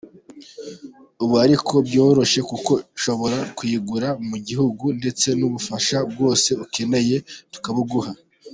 Ubu ariko byoroshye kuko ushobora kuyigura mu gihugu ndetse n’ubufasha bwose ukeneye tukabuguha.